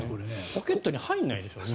ポケットに入らないでしょ。